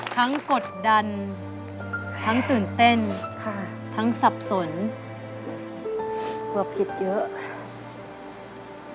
ทั้งกดดันทั้งตื่นเต้นทั้งสับสนเปลือกผิดเยอะความรู้สึกนี้ประปูนเป็นไปหมด